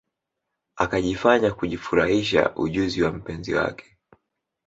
Akijifanya kujifurahisha ujuzi wa mpenzi wake